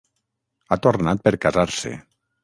Ha tornat per casar-se.